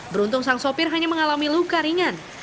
beruntung sang sopir hanya mengalami luka ringan